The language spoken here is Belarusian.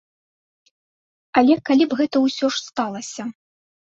Але калі б гэта ўсё ж сталася?